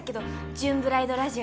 『ジューンブライドラジオ』